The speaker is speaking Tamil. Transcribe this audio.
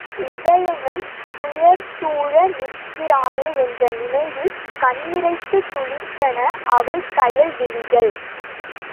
உதயணன் துயர்சூழ நிற்கிறானே என்ற நினைவில் கண்ணிரைத் துளித்தன அவள் கயல் விழிகள்.